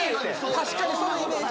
確かにそのイメージある。